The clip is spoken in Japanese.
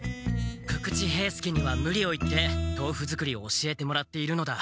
久々知兵助にはムリを言って豆腐作りを教えてもらっているのだ。